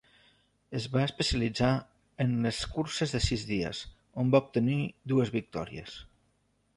Es va especialitzar en les curses de sis dies, on va obtenir dues victòries.